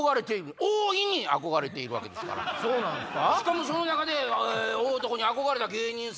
そうなんですか？